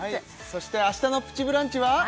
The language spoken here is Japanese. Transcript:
そしてあしたの「プチブランチ」は？